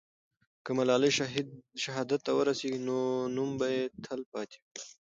که ملالۍ شهادت ته ورسېږي، نو نوم به یې تل پاتې وي.